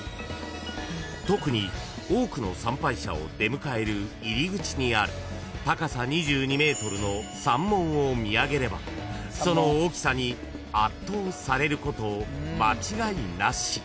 ［特に多くの参拝者を出迎える入り口にある高さ２２ｍの三門を見上げればその大きさに圧倒されること間違いなし］